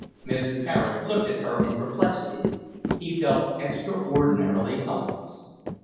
Mr. Carey looked at her in perplexity. He felt extraordinarily helpless.